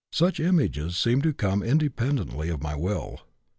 Such images seemed to come independently of my will.